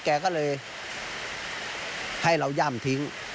แกก็เลยให้เราย่ำทิ้ง